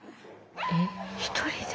えっ一人で？